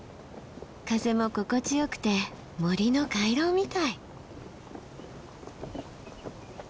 風も心地よくて森の回廊みたい。